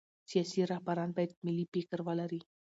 سیاسي رهبران باید ملي فکر ولري